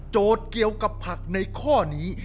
เกี่ยวกับผักในข้อนี้